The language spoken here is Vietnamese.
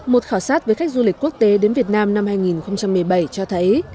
một khảo sát với khách du lịch quốc tế đến việt nam năm hai nghìn một mươi bảy cho thấy